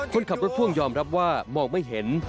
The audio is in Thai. คนขับรถพ่วงยอมรับว่ามองไม่เห็น